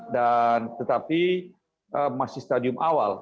dan tetapi masih stadium awal